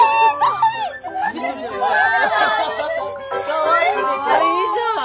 かわいいじゃん。